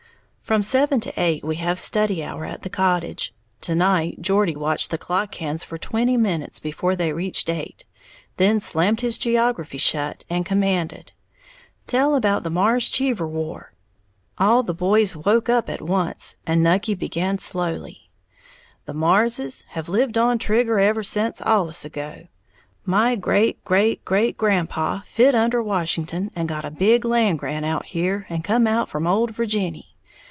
From seven to eight we have study hour at the cottage. To night Geordie watched the clock hands for twenty minutes before they reached eight, then slammed his geography shut, and commanded, "Tell about the Marrs Cheever war!" All the boys woke up at once, and Nucky began, slowly: "The Marrses has lived on Trigger ever sence allus ago. My great great great grandpaw fit under Washington and got a big land grant out here and come out from Old Virginny.